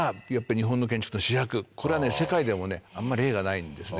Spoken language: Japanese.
これは世界でもあんまり例がないんですね。